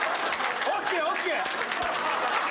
ＯＫＯＫ。